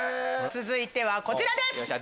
続いてはこちらです。